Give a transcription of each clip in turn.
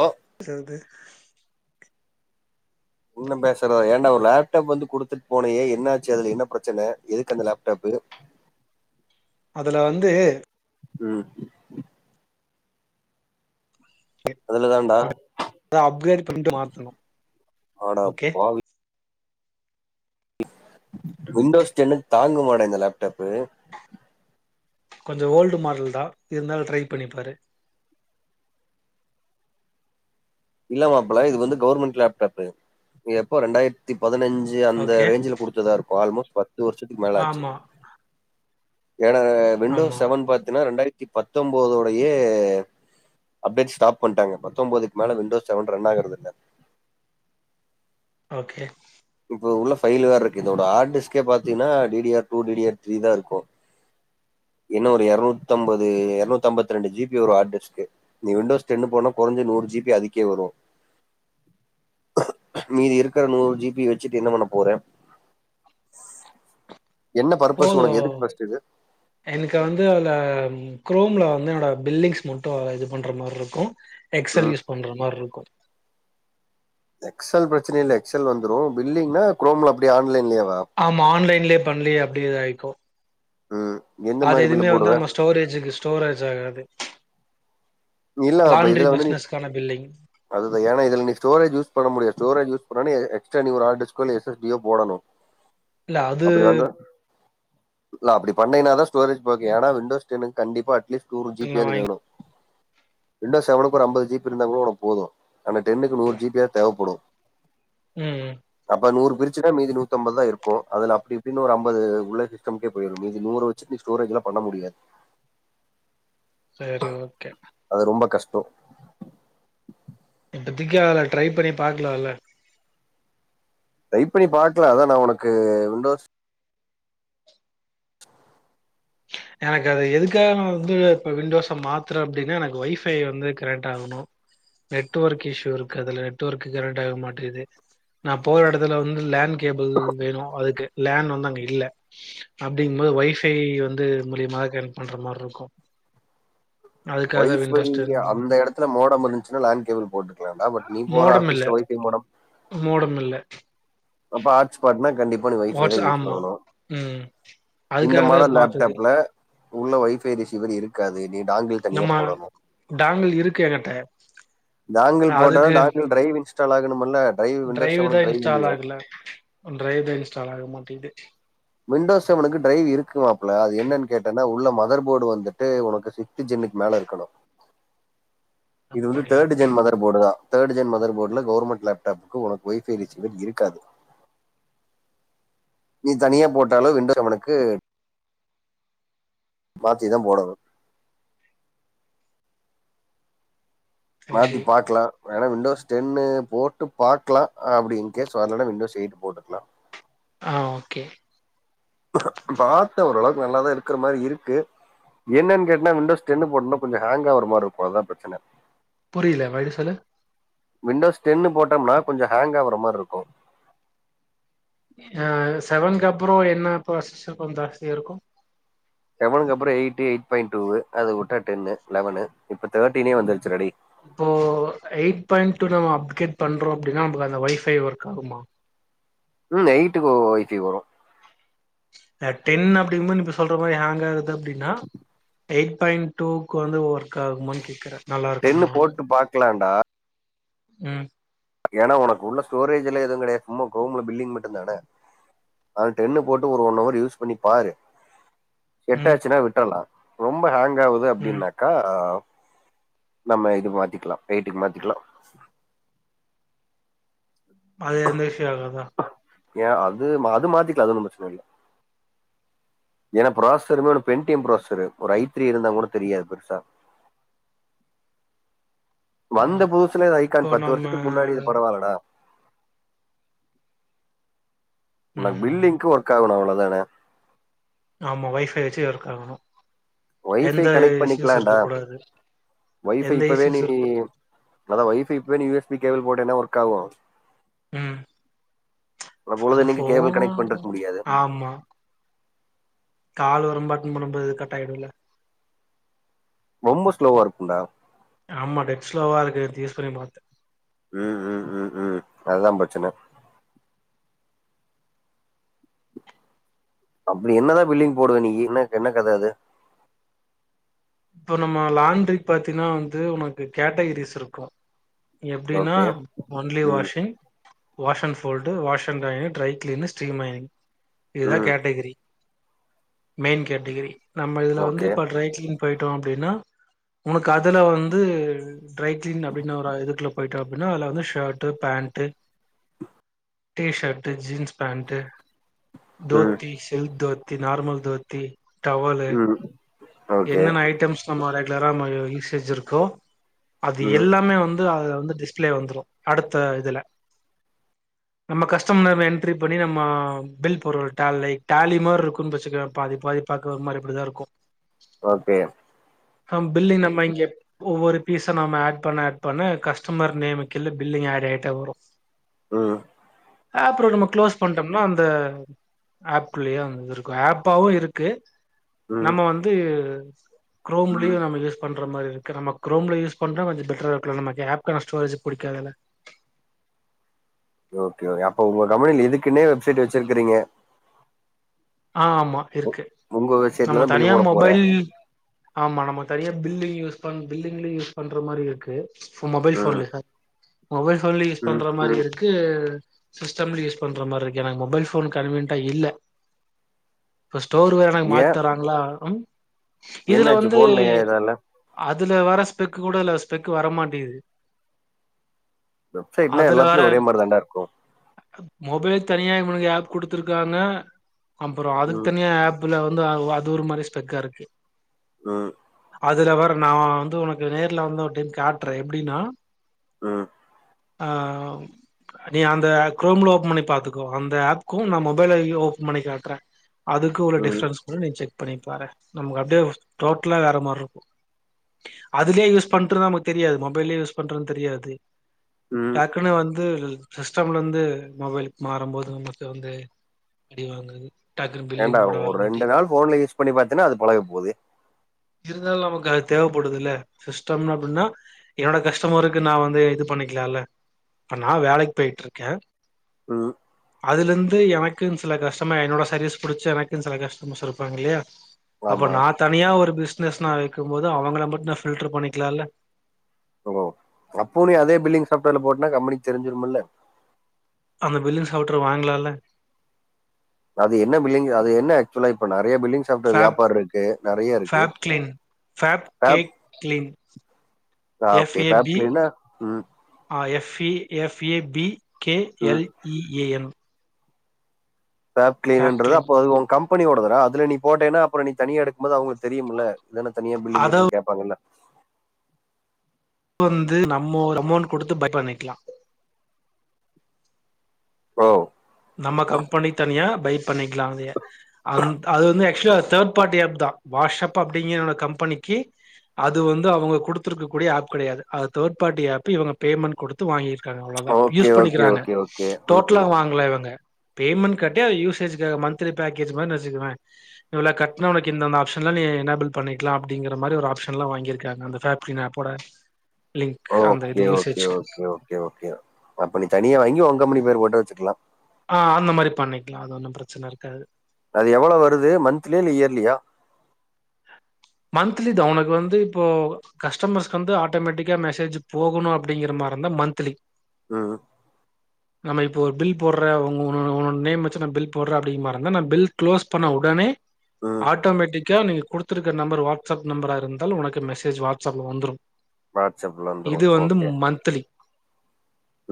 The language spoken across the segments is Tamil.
ஓ செல்தே இன்னு பேசுற ஏன்டா ஒரு லேப்டாப் வந்து குடுத்துட்டு போனியே என்ன ஆச்சு அதுல என்ன பிரச்சன எதுக்கு அந்த லேப்டாப்பு அதுல வந்து ம் அதுலதான்டா அப்டேட் பண்ட்டு மாத்தணு ஆடா ஓகே பாவி விண்டோஸ் டென்னு தாங்குமாடா இந்த லேப்டாப்பு கொஞ்சோ ஓல்டு மாடல் தா இருந்தாலு ட்ரை பண்ணிப்பாரு இல்ல மாப்ள இது வந்து கவர்மெண்ட் லேப்டாப்பு இது எப்போ ரெண்டாயிரத்தி பதினஞ்சு சு அந்த ஓகே ரேஞ்சுல கொடுத்ததா இருக்கு ஆல்மோஸ்ட் பத்து வருஷத்துக்கு மேல ஆச்சு ஆமா வேற விண்டோஸ் ஆமா செவன் பாத்தீன்னா ரெண்டாயி யிரத்து பத்தொன்பதோடையே அப்டேட் ஸ்டாப் பண்டாங்க பத்தொன்பதுக்கு மேல வந் து வின்டோஸ் செவன் ரன் ஆகுறது இல்ல ஓகே இப்ப உள்ள ஃபைல் வேற இருக்கு இதோட ஹார்ட் டிஸ்கே பாத்தீங்ன்னா D D R two D D R three தா இருக்கு இன்னு ஒரு இரநூத்தம்பது இரநூத்தம்பத்தரெண்டு ஜிபி வரு ஹார்ட் டிஸ்க்கு நீ விண்டோஸ் டென்னு போனா கொறைஞ்சது ஒரு ஜிபி அதுக்கே வரு மீதி இருக்ற நூறு ஜிபி வச்சிட்டு என்ன பண்ண போற என்ன பர்பஸ் போது உனக்கு எதுக்கு ஃபஸ்ட்டு இது எனக்கு வந்து அந்த குரோம்ல வந்து என்னோட பில்லிங்ஸ் மட்டும் இது பண்ற மார்ருக்கோ எக்ஸ்சல் ம் யூஸ் பண்ற மார்ருக்கோ எக்ஸ்சல் பிரச்சன இல்ல எக்ஸ்சல் வந்துரூ பில்லிங்னா குரோம்ல அப்டியே ஆன்லைன்லேவா ஆமா ஆன்லைன்லேயே பண்ணி அப்டியே இத ஆய்க்கூ ம் எந்த அது மாதிரி பில்லு எதுவுமே வந்து போடுவேன் நம்ம ஸ்டோரேஜுக்கு ஸ்டோரேஜ் ஆகாது லாண்ட்ரி பிசினஸ்கான பில்லிங் அதுதா ஏன்னா இதுல நீ ஸ்டோரேஜ் யூஸ் பண்ண முடியாது ஸ்டோரேஜ் யூஸ் பண்ணோன்னோ எக்ஸ்ட்ரா நீ ஒரு ஹார்ட் டிஸ்கோ எஸ் எஸ் டீயோ போடணோ இல்ல அது அப்டி வந்து இல்ல அப்டி பண்ணிங்னாதா ஸ்டோரேஜ் உங்களுக் எடோ விண்டோஸ் டென்னுக்கு கண்டிப்பா அட்லீஸ்ட் டூ நா ஜிபியாவது வாங்கி வேணூ விண்டோ செவனுக்கு ஒரு அம்பது ஜி பி இருந்தா கூட ஒனக்கு போதூ ஆனா டென்னுக்கு நூறு ஜி பி யாவது தேவப்படூ ம் அப்ப நூறு பிரிச் சின்னா மீதி நூத்தம்பத் தா இருக்கூ அதுல அப்டி இப்டினு ஒரு அம்பது உள்ள சிஸ்டம்கே போயிரூ சட்னூ ஸ்டோரோஜ்லா பண்ண முடியது சரி ஓகே அது ரொம்ப கஷ்டோ இப்பதக்கி அதில ட்ரை பண்ணி பாக்கல ‌அதல டிரைப் பண்ணி பாக்கலா அதா நா ஒனக்கு விண்டோஸ் எனக்கு அத எதுக்காக வந்து நா வந்து இப்ப விண்டோஸ மாத்துறே அப்டின்னா எனக்கு வைஃபை வந்து கனெக்ட் ஆகணோ நெட்ஒர்க் இஷ்யூ இருக்கு அதுல நெட்ஒர்க்கு கனெக்ட் ஆக மாட்டோது நா போற எடத்துல வந்து லேண்ட் கேபிள் வேணும் அதுக்கு லேண் வந்து அங்க இல்ல அப்டிங்கும்போது வைஃபை வந் து மூலியமா ஹெல்ப் பண்ற மாரி இருக்கோ ஒய்ஃபை அந்த எடத்துல மோடம் இருந்துச்சுனா லேண்ட் கேபிள் போட்டுக்கலா பட் நீ போற மோடம் இல்ல ஆபீஸ்ல ஒய்ஃபை மோடம் மோடம் இல்ல அப்ப ஹாட் ஸ்பாட்னா கண்டிப்பா நீ ஒய்ஃபை தா வாட்ஸ் யூஸ் ஆமா. பண்ணனோ ம். இந்த அதுக்காக மாடல் தான் மாத்துது. லேப்டாப்ல உள்ள ஒய்ஃபை ரிசீவர் இருக்காது நீ டாங்கில் தனியா நம்ம போடணோ டாங்கல் இருக்கு எங்கிட்ட டாங்கல் போட்டாலூ டாங்கல் டிரைவ் இன்ஸ்டால் ஆகணும்மில்ல டிரைவ் தா இன்ஸ்டால் ஆகல டிரைவ் தா இன்ஸ்டால் ஆக மாட்டேன்து விண்டோஸ் செவனுக்கு ட்ரைவ் இருக்குமாப்புல அது என்னன்னு கேட்டேன்னா உள்ள மதர்போர்டு வந்துட்டு உனக்கு சீஜின்னுக்கு மேல இருக்கணோ இது வந்து அப்படியா? தேர்டு ஜென் மதர் போர்டு தா தேர்ட் ஜென் மதர் போர்ட்ல கவர்மெண்ட் லேப்டாப்புக்கு ஒனக்கு ஒய்ஃபை ரிசீவர் இருக்காது நீ தனியா போட்டாலூ விண்டோ நம்மளுக்கு மாத்தி தா போடணூ மாத்தி சரி பாக்கலா வேன்னா விண்டோஸ் டென் போட்டு பாக்கலா அப்டி இ்ன்கேஸ் வரலன்னா விண்டோஸ் எயிட் போட்டுக்கலா ஆ ஓகே பாத்தே ஓரளவுக்கு நல்லாதா இருக்கிற மாதிரி இருக்கு என்னென்னு கேட்ன்னா விண்டோஸ் டென் போட்னா கொஞ்சொ ஹேங்காவுற மாரி இருக்கு அதா பிரச்சன புரியல மறுபடி சொல்லு விண்டோஸ் டென் போட்டோம்னா கொஞ்சொ ஹேங் ஆகுற மாரி இருக்கோ அ செவன்கப்ரோ என்ன ப்ராசஸ் கொஞ்சொ ஜாஸ்தியா இருக்கோ செவனுக்கு அப்புறோ எயிட் எயிட் பாயிண்ட் டூவு அது விட்ட டென்னு லெவனூ இப்ப தேர்ட்டினே வந்துருச்சுருடா டேய் இப்போ எயிட் பாயிண்ட் டூ நம்ம அப்கேட் பண்றோ அப்டின்னா நமக்கு அந்த வைஃபை ஒர்க் ஆகுமா ம் எய்ட்டுக்கு வைஃபை வரும் நா டென் அப்டிங்கும் போது இப்ப சொல்ற மாறி ஹேங் ஆகுது அப்டின்னா எயிட் பாயிண்ட் டூக்கு வந்து ஒர்க் ஆகுமானு கேக்கற நல்லா டென்னு இருக்குமா போட்டு பார்க்கலாம்டா ம் ஏன்னா உனக்கு உள்ள ஸ்டோரேஜ் எல்லா எதுவு கிடையாது சும்மா ஹொம்ல பில்லிங் மட்டு தான அந்த டென்னு போட்டு ஒரு ஒன் ஹவர் யூஸ் பண்ணி பாரு ம் செட்டாச்சுன்னா விட்டல்லா ரொம்ப ஹேங் ஆவுது ம் அப்டின்னா க்கா ஆ நம்ம இது மாத்திக்கலா எயிட்டுக்கு மாத்திக்கலா அது எந்த ஸ்யூ ஆகாதா ஏன் அது அது மாத்திக்கலா அது ஒன்னும் பிரச்சன இல்ல ஏன்னா ப்ராசரு ஒரு பென்டியம் ப்ராசரு ஒரு ஐத்ரி இருந்தா கூட தெரியாது பெருசா வந்த ம் புதுசுல இப்போ ஐக்கான் பத்து நம்ம வருஷத்துக்கு முன்னாடி இது பரவால்லடா உனக்கு ம் பில்லிங்கு ஒர்க் ஆகனு அவ்ளோ தான ஆமா வைஃபை வச்சு ஒர்க் ஆகணு ஒய்ஃபை எந்த கனெக்ட் இஷ்யூஸ் இருக்க பண்ணிக்கலான்டா கூடாது ஒய்ஃபை எந்த இப்பவே நீ இஷ்யூஸ் இருக்க மொத ஒய்ஃபை இப்பவே யு எஸ் பி கேபிள் போட்டையின்னா ஒர்க் ஆவும் ம் அப்றோ அது பொழுதனைக்கு கேபிள் கனெக்ட் ஃபோன் பண்றுக்க முடியாது ஆமா கால் வரும் நம்ப அட்டன் பண்ணும் போது கட் ஆயிடும் இல்ல ரொம்ப ஸ்லோவா இருக்கும்டா ஆமா டெட் ஸ்லோவா இருக்கு [unintelligible] மாத்து ம் ம் ம் ம் அதுதா பிரச்சன அப்டி என்னதா பில்டிங் போடுவ நீயி என்ன கத அது இப்ப நம்ம லாண்டரி பாத்தீன்னா வந்து உனக்கு கேட்டகிரிஸ் இருக்கும் எப்டின்னா ஓகே ஒன்லி ம் washing wash and fold wash and ironing dry clean steam மைனிங் இதுதா ம் கேட்டகிரி மெயின் கேட்டகிரி நம்ம இதுல வந்து ஓகே இப்ப ட்ரை கிளினிங் போயிட்டோ அப்டின்னா உனக்கு அதுல வந்து ட்ரை கிளீன் அப்டின்னு ஒரு இதுக்குல போயிட்ட அப்டின்னா அதுல வந்து shirt pant T shirt jeans pant ம் dhoti silk dhoti normal dhoti towel ம் ஓகே என்னென்ன ஐட்டம்ஸ் நம்ம ரெகுலரா ம யூஸ் ஏஜ் இருக்கோ அது ம் எல்லாமே வந்து அது வந்து டிஸ்பிளே வந்துரும் அடுத்த இதுல நம்ம கஸ்டமர் என்ட்ரி பண்ணி நம்ம பில் போட்ற டேலை டேலி மாறி இருக்குன்னு வச்சுக்கோவே பாதி பாதி பாக்க ஒரு மாறி இப்படிதா இருக்கு ஓக்கே அ பில்லிங் நம்ம இங்க ஒவ்வொரு பீஸ்சும் நாம்ம ஹேட் பண்ண ஹேட் பண்ண கஸ்டமர் நேமுக்கு கீழ பில்லிங் ஹேட் ஆயிட்டே வரும் உம் ஹேப்ல நம்ம க்ளோஸ் பண்டம்னா அந்த ஹேப்க்குள்ளயே வந்து இருக்கும் ஹேப்பாவு இருக்கு ம் நம்ம வந்து குரோம்லயு நம்ப யூஸ் மாறி இருக்கு நம்ம குரோம்ல யூஸ் பண்ற கொஞ்சோ பெட்ரா இருக்குல்ல நமக்கு ஹேப் [unintelligible] ஸ்டோரேஜ்க்கு புடிக்காதில்ல ஓகே ஓகே அப்ப உங்க கம்பெனில இதுக்குன்னே வெப்சைட் வச்சிருக்குறீங்க ஆமா இருக்கு உங்க வெப்சைட்ல நம்ம தான் பில் தனியா போட போறேன் மொபைல் ஆமா நம்ம தனியா பில்லிங் யூஸ் பண் பில்லி்ங்ல யூஸ் பண்ற மாரி இருக்கு உன் மொபைல் ம் ஃபோன்ல கா மொபைல் ஃபோன்லே யூஸ் ம் பண்ற மாரி இருக் கு சிஸ்டம்லு யூஸ் பண்ற மாரி இருக்கு எனக்கு மொபைல் ஃபோன் கன்வீன்ட்டா இல்ல இப்ப ஸ்டோர் வேற எனக் ஏன் மாத்தராங்ளா ம் இதுல என்னாச்சு வந்து போன்ல ஏன் இதால அதுல வர ஸ்பெக்கு கூட இல்ல ஸ்பெக் வரமாட்டேங்குது வெப்சைட்னா அதுல வர எல்லாத்துலயு ஒரே மாரி தாண்டா இருக்கு மொபைல் தனியா இவுங்குளுக்கு ஆப் குடுத்துருக்காங்க அப்புறோ அதுக்கு ம் தனியா ஆப்புல வந்து அதுலா அது ஒரு மாரி ஸ்பெக்கா இருக்கு ம் அதுல வர நான் வந்து உனக்கு நேர்ல வந்து ஒரு டைம் காட்றே எப்டினா ம் ஆ நீ அந்த குரோம்ல ஓபன் பண்ணி பாத்துக்கோ அந்த ஆப்க்கு நான் மொபைலையு ஓபன் பண்ணிக்கா ட்ற அதுக்கு உள்ள ம் டிஃப்ரன்ஸ் கூட நீ செக் பண்ணிப்பார நமக்கு அப்டியே டோட்டலா வேற மார்ருக்கு அதுலியே யூஸ் பண்றது நமக்கு தெரியாது மொபைலே யூஸ் பண்றது தெரியாது ம் டக்குனு வந்து சிஸ்டம்லர்ந்து மொபைல்க்கு மாறும்போது நமக்கு வந்து அடிவாங்குது ஏன்டா ஒரு ரெண்டு நாள் ஃபோன்ல யூஸ் பண்ணி பாத்தேனா அது பழகப்போது இருந்தாலு நமக்கு அது தேவப்படுதுல சிஸ்டம் அப்டினா என்னோட கஸ்டமருக்கு நான் வந்து இது பண்ணிக்குலால இப்ப நான் வேலைக் பேய்ட்ருக்க ம் அதுலந்து எனக்குன் சில கஷ்டமர் என்னோட சர்வீஸ் புடிச்சு எனக்குன் சில கஷ்டமர்ஸ் இருப்பாங்க இல்லையா அப்போ ஆமா நான் தனியா ஒரு பிஸ்னஸ் நான் வைக்கும் போது அவுங்கள மட்டும் நான் பில்ட்ரு பண்ணிக்குலால பண்லா அப்போ நீ அதே பில்லிங் சாஃப்ட்வேர்ல போட்டா கம்பெனிக் தெரிஞ்சிருமுல்ல அந்த பில்லிங் சாஃப்ட்ரு வாங்குலால அது என்ன பில்லிங் அது என்ன அக்சுலா இப்ப நெறைய பில்லிங்ஸ் சாஃப்ட்வேர்க்கு ஃபேப் ஏப்பார்ருக்கு நெறையா இருக்கு Fab clean Fab K app clean ah F okay A B சாஃப்ட்க்ளீனா ம் ஆ F E F A B K ம் L E A M Fab சாஃப்ட்கிளீனுன்றது கிளீன் அப்போ அது ஓன் கம்பெனியோடதுடா அதுல நீ போட்டேன்ன அப்புறோ நீ தனியா எடுக்குமோது அவுங்ளுக் தெரியும்ல இது என்ன தனியா பில்லிங் அத இருக்குன் கேப்பாங்கல்ல வந்து நம்ம ஓரு அமௌண்ட் குடுத்து பை பண்ணிக்குலா ஓ நம்ம கம்பெனி தனியா பை பண்ணிக்லா அங்கயே அதுன்தா அது வந்து ஆக்சுலா அது தேட் பார்ட்டி ஆப்தா வாஷ் அப் அப்டிங் என்னோட கம்பனிக்கு அது வந்து அவுங்க குடுத்துருக்க கூடிய ஆப் கெடையாது அது தேட் பார்ட்டி ஆப்பு இவுங்க பேமெண் குடு த்து வாங்யிருக்காங்க அவ்ளோதா ஓகே யூஸ் ஓகே பண்ணிக்கிறாங்க ஓகே ஓகே ம் ம் டோட்லா வாங்ள இவங் க பேமெண்ட் கட்டி அது யூசேஜுகாக மந்திலி பேக்கேஜ் மாரி நென்ச்சுகுவே இவுளோ கட்ணா உனக்கு இந்தந்த ஆப்ஷன்லா நீ எனபில் பண்ணிக்லா அப்டிங்கிற மாரி ஒரு ஆப்ஷன்ல வாங்கிருக்காங்க‌ அந்த ஃபேப்ரின் ஆப்போட லிங்க் அந்த ஓகே இது ஓகே யூசேஜ்க்கு ஓகே ஓகே ஓகே அப்ப நீ தனியா வாங்கி ஓன் கம்பெனி‌ பேர் போட்டு வச்சுக்குலா ஆ அந்த மாரி பண்ணிக்லா அது ஒன்னு பிரச்சன இருக்காது அது எவ்ள வருது மந்த்லியா இல்ல இயர்லியா மந்த்லிதா உனக்கு வந்து இப்போ கஸ்டமர்ஸ்க் வந்து ஆட்டோமேட்டிக்கா மெசேஜ் போகணு அப்டிங்ற மார இருந்தா மந்த்லி ம் நம்ம இப்போ ஒரு பில் போட்ற உங்க உ உனோட நேம் வெச்சு நா பில் போடற அப்டிங்க மாரி இருந்தா நா பில் க்ளோஸ் பண்ண உடனே ம். ஆட்டோமேட்டிக்கா நீங்க குடுத்துருக்க நம்பர் வாட்ஸ்அப் நம்பரா இருந்தால் உனக்கு மெசேஜ் வாட்ஸ்அப்ல வந்துரும் வாட்ஸ்அப்ல இது வந்துரும். வந்து ஓகே. மந்த்லி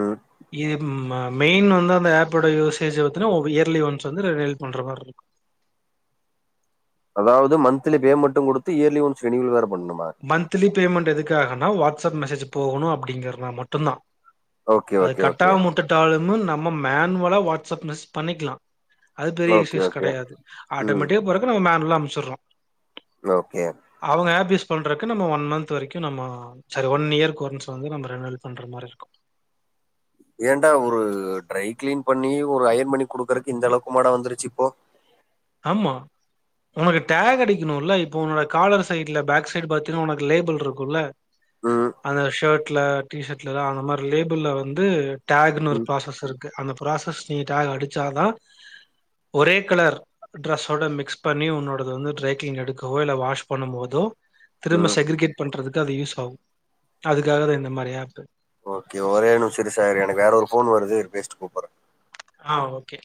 ம். இது மெயின் வந்து அந்த ஆப்போட யூசேஜ் பாத்னா இயர்லி ஒன்ஸ் வந்து ரெனுவல் பண்ற மார்ருக்கு அதாவது மந்த்லி பேமெண்ட்டு குடுத்து இயர்லி ஒன்ஸ் ரினிவல் வேற பண்ணுமா மந்த்தலி பேமெண்ட் எதுக்காகனா வாட்ஸ்அப் மெசேஜ் போகணு அப்டிங்கறனா மட்டுந்தா ஓகே, அது ஓகே, ஓகே. கட்டாம உட்டுட்டாலுமு நம்ம மேனுவலா வாட்ஸ்அப் மெசேஜ் பண்ணிக்கலா அது பெரிய ஓகே, இசூஸ் ஓகே. கெடையாது ம். ஆட்டோமேட்டிக்கா போறக்கு நம்ம மேன்வலா அனுப்ச்சுர்றோ ஓகே அவங்க ஆப் யூஸ் பண்றக்கு நம்ம ஒன் மந்த் வரைக்கு நம்ம செரி ஒன் இயர்க் ஒன்ஸ் வந்து நம்ம ரெனுவல் பண்ற மாரி இருக்கு ஏன்டா ஒரு ட்ரை கிளீன் பண்ணி ஒரு அயன் பண்ணி குடுக்குறக்கு இந்த அளவுக்கு மாடா வந்துருச்சு இப்போ ஆம்மா உனக்கு டேக் அடிக்கணுல்ல இப்ப உன்னோட காலர் சைட்ல பேக் சைடு பாத்தினா உனக்கு லேபுள் இருக்குல்ல ம், அந்த ஷர்ட்ல டிஷர்ட்லலா அந்த மாரி லேபிள்ள வந்து டேகுன்னு ஒரு ம், ப்ராசஸ் இருக்கு அந்த ப்ராசஸ் நீ டேக் அடிச்சாதா ஒரே கலர் ட்ரெஸ்ஸோட மிக்ஸ் பண்ணி உன்னோடது வந்து ட்ரேக்கிங் எடுக்கவோ இல்ல வாஷ் பண்ணும் போதோ திரும்ப ம். செக்ரிகேட் பண்றதுக்கு அது யூஸ் ஆகு அதுக்காகதா இந்த மாரி ஏப்பு ஓகே ஒரே நிமிச இரு சேகரு எனக்கு வேற ஒரு ஃபோன் வருது இரு பேசிட்டு கூப்பர்ற ஆ ஓகே